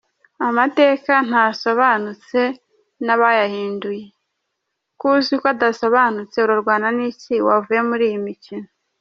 Amategeko ntasobanutse nabayahindure: Ko uzi ko adasobanutse urarwana ni iki wavuye muri iyi mikino?